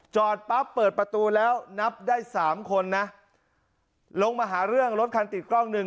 จอดปั๊บเปิดประตูแล้วนับได้สามคนนะลงมาหาเรื่องรถคันติดกล้องหนึ่ง